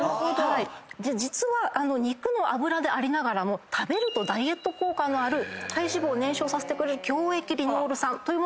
実は肉の脂でありながらも食べるとダイエット効果のある体脂肪を燃焼させてくれる共役リノール酸というものが。